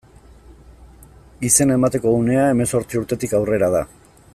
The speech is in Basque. Izena emateko unea hemezortzi urtetik aurrera da.